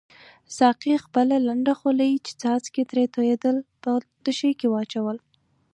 ساقي خپله لنده خولۍ چې څاڅکي ترې توییدل په دوشۍ کې واچول.